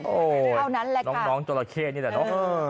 โอ้โหเท่านั้นแหละค่ะน้องจราเข้นี่แหละเนอะ